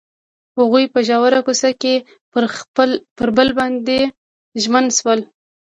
هغوی په ژور کوڅه کې پر بل باندې ژمن شول.